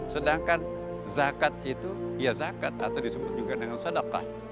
sedangkan zakat itu ya zakat atau disebut juga dengan sadakah